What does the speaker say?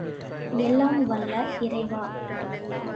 எல்லாம் வல்ல இறைவா!